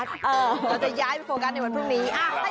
เราจะย้ายไปโฟกัสในวันพรุ่งนี้